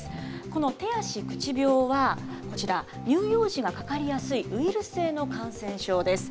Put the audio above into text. この手足口病は、こちら、乳幼児がかかりやすいウイルス性の感染症です。